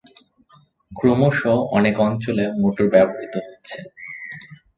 ক্রমশ অনেক অঞ্চলে মোটর ব্যবহৃত হচ্ছে।